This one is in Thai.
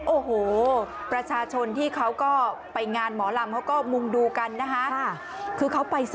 โอ้โหประชาชนที่เขาก็ไปงานหมอลำ